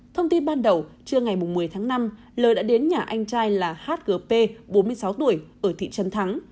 thông tin ban đầu trưa ngày một mươi tháng năm l đã đến nhà anh trai là hgp bốn mươi sáu tuổi ở thị trấn thắng